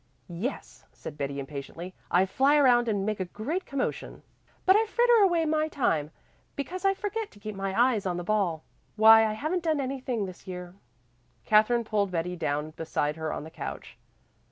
"Yes," said Betty impatiently. "I fly around and make a great commotion, but I fritter away my time, because I forget to keep my eyes on the ball. Why, I haven't done anything this year." Katherine pulled Betty down beside her on the couch.